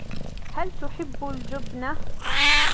هل تحب الجبنة؟